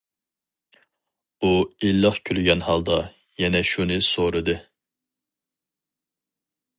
ئۇ ئىللىق كۈلگەن ھالدا يەنى شۇنى سورىدى.